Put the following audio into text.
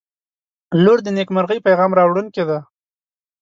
• لور د نیکمرغۍ پیغام راوړونکې ده.